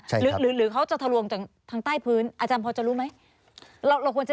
หรือเขาจะทะลวงทางใต้พื้นอาจารย์พอจะรู้ไหม